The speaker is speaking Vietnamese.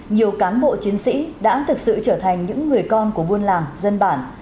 nhiều cán bộ chiến sĩ đã thực sự trở thành những người con của buôn làng dân bản